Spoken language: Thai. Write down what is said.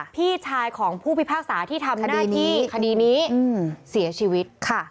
พี่ชายของผู้พิพากษาที่ทำหน้าที่คดีนี้เสียชีวิตค่ะ